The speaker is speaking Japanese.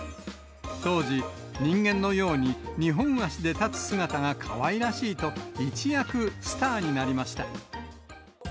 当時、人間のように二本足で立つ姿がかわいらしいと、一躍スターになりました。